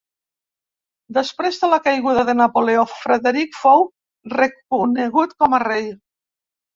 Després de la caiguda de Napoleó, Frederic fou reconegut com a rei.